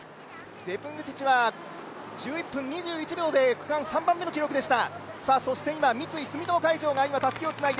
ジェプングティチは１１分２１秒で区間３番目の記録でした。